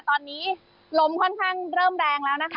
ตอนนี้ลมค่อนข้างเริ่มแรงแล้วนะคะ